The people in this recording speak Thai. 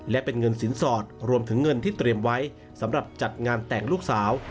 และเป็นเงินสินสอดรวมถึงเงินที่เตรียมไว้สำหรับจัดงานแต่งลูกสาว